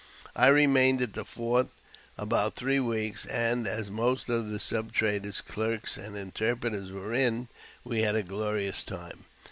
I remained at the fort about three weeks, and, as most of the sub traders, clerks, and interpreters were in, we had a glorious time.